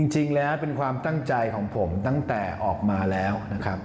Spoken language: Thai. จริงแล้วเป็นความตั้งใจของผมตั้งแต่ออกมาแล้วนะครับ